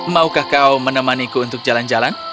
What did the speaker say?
maukah kau menemaniku untuk jalan jalan